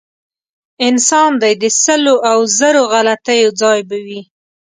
انسان دی د سلو او زرو غلطیو ځای به وي.